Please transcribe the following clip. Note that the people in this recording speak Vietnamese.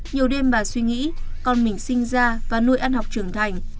nhiều đêm bà suy nghĩ con mình sinh ra và nuôi ăn học trưởng thành